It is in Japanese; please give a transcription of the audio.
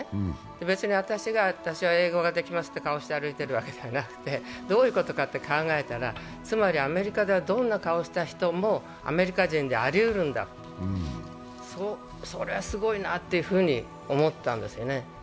別に、私は英語ができますという顔して歩いているわけではなくて、どういうことかと考えたらつまりアメリカではどんな顔をした人もアメリカ人でありうるんだ、それはすごいなと思ったんですね。